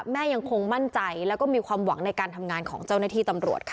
ยังคงมั่นใจแล้วก็มีความหวังในการทำงานของเจ้าหน้าที่ตำรวจค่ะ